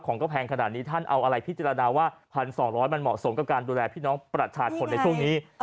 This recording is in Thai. ของก็แพงขนาดนี้ท่านเอาอะไรพิจารณาว่า๑๒๐๐มันเหมาะสมกับการดูแลพี่น้องประชาชนในช่วงนี้